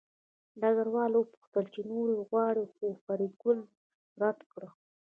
ډګروال وپوښتل چې نورې غواړې خو فریدګل رد کړه